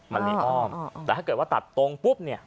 มันมีอ้อมแต่ถ้าเกิดว่าตัดตรงปุ๊บเนี่ย